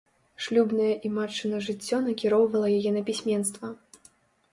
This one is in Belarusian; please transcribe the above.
Шлюбнае і матчына жыццё накіроўвала яе на пісьменства.